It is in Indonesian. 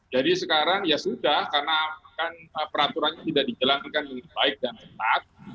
jadi sekarang ya sudah karena kan peraturannya tidak dikelankan dengan baik dan ketat